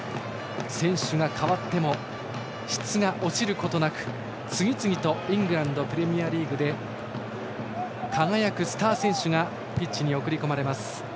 選手が代わっても質が落ちることなく次々とイングランド・プレミアリーグで輝くスター選手がピッチに送り込まれます。